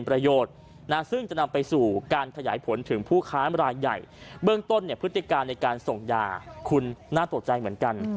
เบื้องต้นพฤติการในการส่งยาคุณน่าตกใจเหมือนกัน